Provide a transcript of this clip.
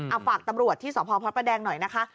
เอาฝากตำรวจที่สพพระประแดงหน่อยนะคะ